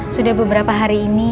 sudah beberapa hari ini